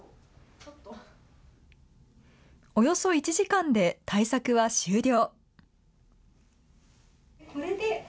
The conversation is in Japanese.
およそ１時間で対策は終了。